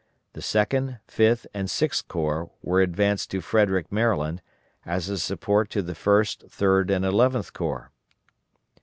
The Second, Fifth, and Sixth Corps were advanced to Frederick, Md., as a support to the First, Third, and Eleventh Corps.